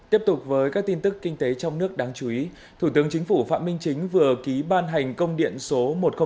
tiếp tục với các tin tức kinh tế trong nước đáng chú ý thủ tướng chính phủ phạm minh chính vừa ký ban hành công điện số một nghìn tám mươi bảy